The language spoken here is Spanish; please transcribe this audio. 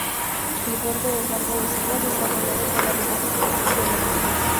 El borde es algo desigual, y está rodeado por la rugosa superficie lunar.